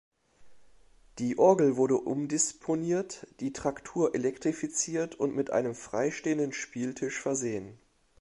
Die Orgel wurde umdisponiert, die Traktur elektrifiziert und mit einem freistehenden Spieltisch versehen.